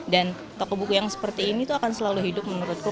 dan toko buku yang seperti ini akan selalu hidup menurutku